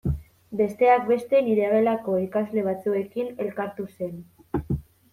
Besteak beste nire gelako ikasle batzuekin elkartu zen.